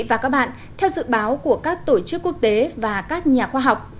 và các bạn theo dự báo của các tổ chức quốc tế và các nhà khoa học